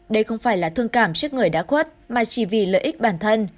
đây không phải là thương cảm trước người đã khuất mà chỉ vì lợi ích bản thân